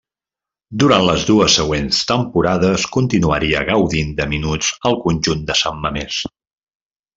Durant les dues següents temporades continuaria gaudint de minuts al conjunt de San Mamés.